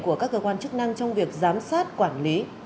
của các cơ quan chức năng trong việc giám sát quản lý